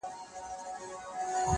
• نه یم رسېدلی و سپېڅلي لېونتوب ته زه..